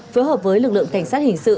phối hợp với lực lượng cảnh sát hình sự